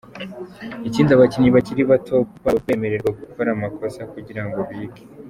Ikindi abakinnyi bakiri bato baba bemerewe gukora amakosa kugira ngo bige.